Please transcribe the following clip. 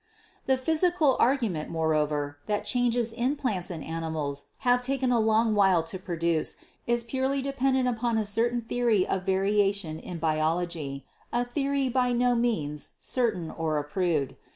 The physical argument, moreover, that changes in plants and animals have taken a long while to produce is purely dependent upon a certain theory of variation in biology, a theory by no means certain or approved.